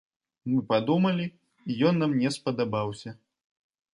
Мы падумалі, і ён нам не спадабаўся.